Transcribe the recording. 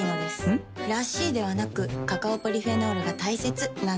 ん？らしいではなくカカオポリフェノールが大切なんです。